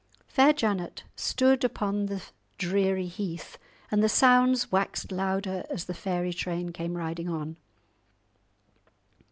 Fair Janet stood upon the dreary heath, and the sounds waxed louder as the fairy train came riding on.